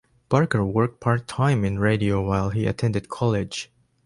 Barker worked part-time in radio while he attended college.